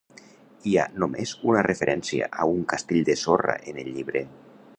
Hi ha només una referència a un "castell de sorra" en el llibre.